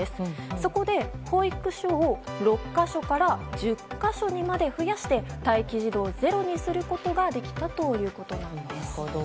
そこで、保育所を６か所から１０か所にまで増やして待機児童をゼロにすることができたということです。